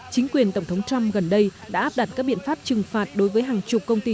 chính quyền tổng thống trump gần đây đã áp đặt các biện pháp trừng phạt đối với hàng chục công ty